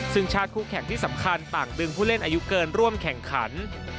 ซึ่งชาติคู่แข่งที่สำคัญต่างดึงผู้เล่นอายุเกินร่วมแข่งขัน